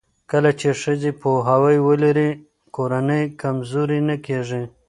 کله چې ښځې پوهاوی ولري، کورنۍ کمزورې نه کېږي.